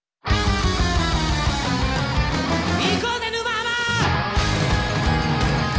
いこうぜ「沼ハマ」！